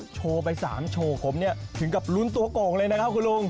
โชว์ไป๓โชว์ผมเนี่ยถึงกับลุ้นตัวโก่งเลยนะครับคุณลุง